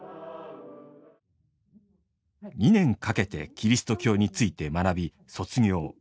２年かけてキリスト教について学び卒業。